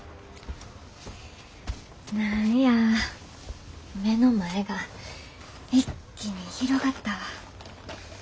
何や目の前が一気に広がったわ。